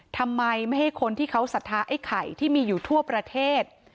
ทำไมไม่ให้คนที่เขาศรัทธาไอ้ไข่ที่มีอยู่ทั่วประเทศ